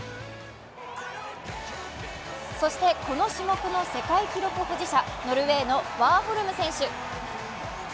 そしてこの種目の世界記録保持者、ノルウェーのワーホルム選手。